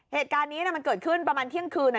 เหตุการณ์นี้มันเกิดขึ้นประมาณเที่ยงคืน